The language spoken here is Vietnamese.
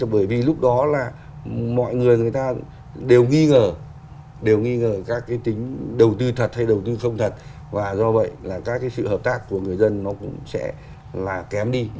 bởi vì lúc đó là mọi người người ta đều nghi ngờ đều nghi ngờ các cái tính đầu tư thật hay đầu tư không thật và do vậy là các cái sự hợp tác của người dân nó cũng sẽ là kém đi